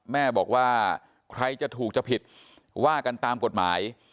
แม่บอกว่าใครจะถูกจะผิดว่ากันตามกฎหมาย